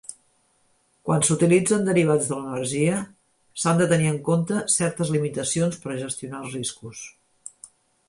Quan s'utilitzen derivats de l'energia, s'han de tenir en compte certes limitacions per gestionar els riscos.